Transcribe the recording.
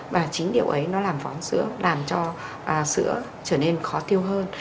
và chính điều ấy nó làm vón sữa làm cho sữa trở nên khó tiêu hơn